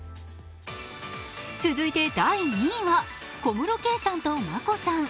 続いて第２位は小室圭さんと眞子さん。